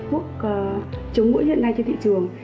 thuốc chống mũi hiện nay trên thị trường